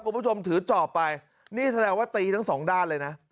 คุณผู้ชมถือจอบไปนี่แสดงว่าตีทั้งสองด้านเลยนะ